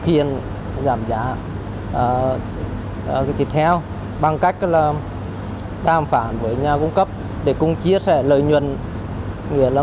phẩm giảm giá thịt heo bằng cách là đàm phản với nhà cung cấp để cung chia sẻ lợi nhuận nghĩa là